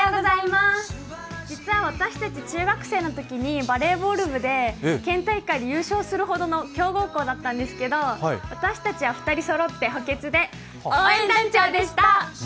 実は私たち中学生のときにバレーボール部で県大会、優勝するほどの強豪校だったんですけど私たちは２人そろって補欠で応援団長でした！